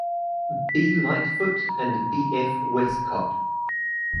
B. Lightfoot and B. F. Westcott.